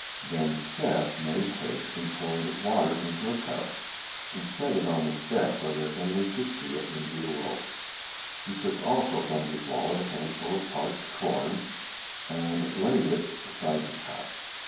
Then Seth made haste and poured water into a cup and set it on the step where their enemy should see it when he awoke; he took also from his wallet a handful of parched corn and laid it beside the cup.